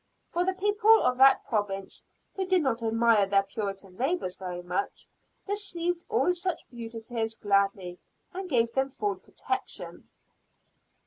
For the people of that province, who did not admire their Puritan neighbors very much, received all such fugitives gladly, and gave them full protection.